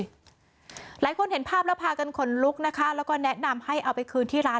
หลายคนเห็นภาพแล้วพากันขนลุกนะคะแล้วก็แนะนำให้เอาไปคืนที่ร้าน